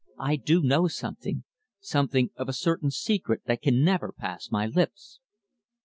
"I do know something something of a certain secret that can never pass my lips!"